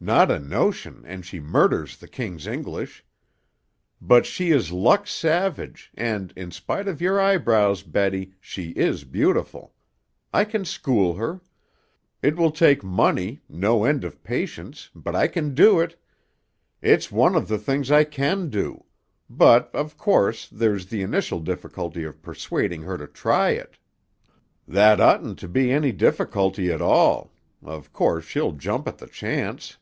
"Not a notion and she murders the King's English. But she is Luck's savage and in spite of your eyebrows, Betty she is beautiful. I can school her. It will take money, no end of patience, but I can do it. It's one of the things I can do. But, of course, there's the initial difficulty of persuading her to try it." "That oughtn't to be any difficulty at all. Of course she'll jump at the chance."